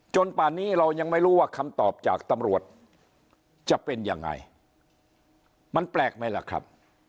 ป่านนี้เรายังไม่รู้ว่าคำตอบจากตำรวจจะเป็นยังไงมันแปลกไหมล่ะครับ